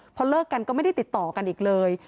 พอเลิกกันก็ไม่ได้ติดต่อกันอีกเลย